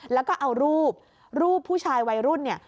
แล้วก็เอารูปรูปผู้ชายวัยรุ่นเนี่ย